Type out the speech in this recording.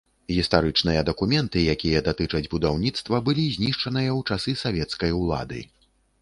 Гістарычныя дакументы, якія датычаць будаўніцтва, былі знішчаныя ў часы савецкай улады.